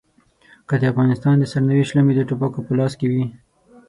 که د افغانستان د سرنوشت لومې د ټوپکو په لاس کې وي.